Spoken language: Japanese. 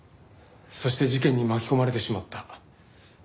そして事件に巻き込まれてしまった。